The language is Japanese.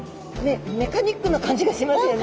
メカニックな感じがしますよね。